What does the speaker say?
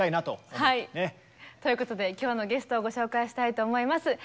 ということで今日のゲストをご紹介したいと思います。